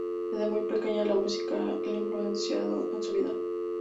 Desde muy pequeño la música ha influenciado en su vida.